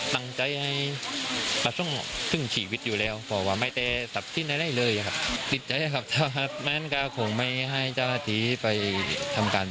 มันเฮียมจริงครับประมาณของจะคงไม่สำเจอขนาดนี้กัน